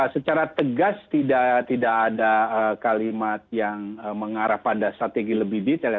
secara tegas tidak ada kalimat yang mengarah pada strategi lebih detail